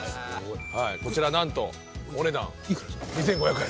こちら何とお値段２，５００円。